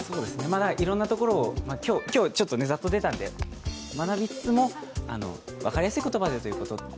いろんなところ今日ざっと出たんで学びつつも分かりやすい言葉でということで。